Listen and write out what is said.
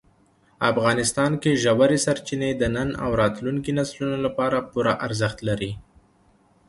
افغانستان کې ژورې سرچینې د نن او راتلونکي نسلونو لپاره پوره ارزښت لري.